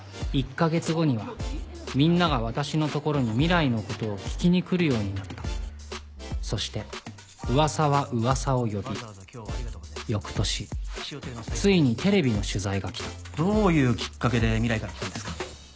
１か月後にはみんなが私の所に未来のことを聞きに来るようになったそして噂は噂を呼び翌年ついにテレビの取材が来たどういうきっかけで未来から来たんですか？